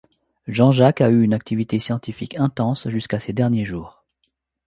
Jean-Jacques a eu une activité scientifique intense jusqu’à ses derniers jours.